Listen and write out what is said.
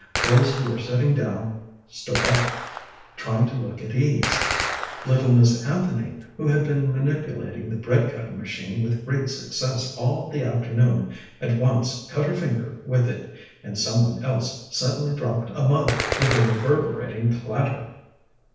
Those who were sitting down stood up, trying to look at ease; little Miss Anthony, who had been manipulating the bread cutting machine with great success all the afternoon, at once cut her finger with it, and some one else suddenly dropped a mug with a reverberating clatter.